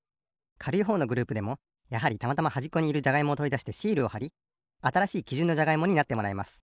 かるいほうのグループでもやはりたまたまはじっこにいるじゃがいもをとりだしてシールをはりあたらしいきじゅんのじゃがいもになってもらいます。